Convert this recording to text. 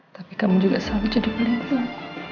tapi kamu juga selalu jadi beliau